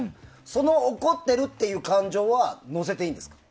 その怒ってるという感情は乗せていいんですか。